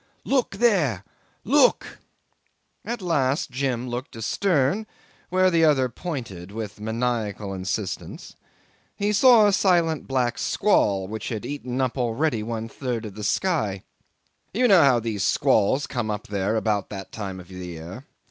Look there look!" 'And at last Jim looked astern where the other pointed with maniacal insistence. He saw a silent black squall which had eaten up already one third of the sky. You know how these squalls come up there about that time of the year.